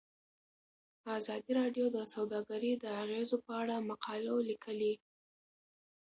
ازادي راډیو د سوداګري د اغیزو په اړه مقالو لیکلي.